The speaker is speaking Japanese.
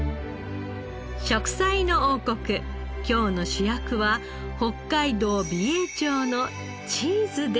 『食彩の王国』今日の主役は北海道美瑛町のチーズです。